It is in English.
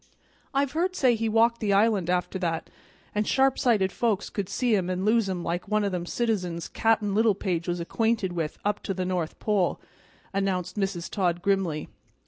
"I've heard say he walked the island after that, and sharp sighted folks could see him an' lose him like one o' them citizens Cap'n Littlepage was acquainted with up to the north pole," announced Mrs. Todd grimly.